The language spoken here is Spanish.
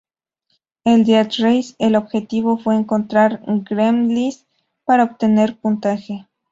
En "Death Race", el objetivo fue encontrar "gremlins" para obtener puntaje.